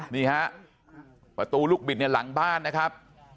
นี่ฮะประตูลูกบิดเนี่ยหลังบ้านนะครับ